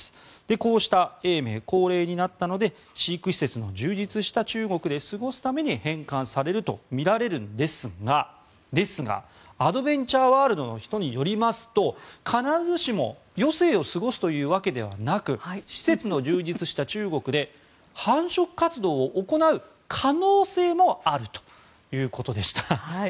こうした永明、高齢になったので飼育施設の充実した中国で過ごすために返還されるとみられるんですがアドベンチャーワールドの人によりますと必ずしも余生を過ごすというわけではなく施設の充実した中国で繁殖活動を行う可能性もあるということでした。